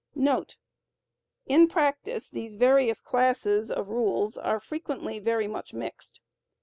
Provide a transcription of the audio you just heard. * [In practice these various classes of rules are frequently very much mixed.